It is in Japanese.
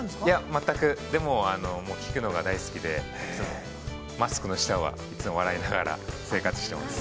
◆全く、でも聞くのが大好きで、マスクの下はいつも笑いながら、生活してます。